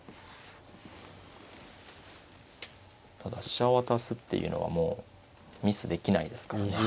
ただ飛車を渡すっていうのはもうミスできないですからね。